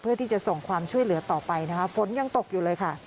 เพื่อที่จะส่งความช่วยเหลือต่อไปนะคะฝนยังตกอยู่เลยค่ะ